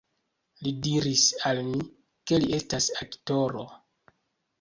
Li diris al mi, ke li estas aktoro.